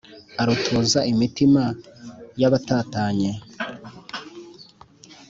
Arutuza imitima y'abatatanye